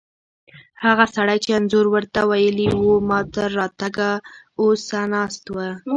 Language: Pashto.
هغه سړی چې انځور ور ته ویلي وو، زما تر راتګه اوسه ناست و.